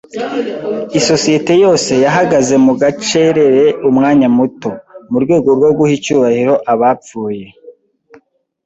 Isosiyete yose yahagaze mu gacerere umwanya muto, mu rwego rwo guha icyubahiro abapfuye.